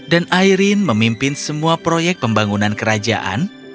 dan irene memimpin semua proyek pembangunan kerajaan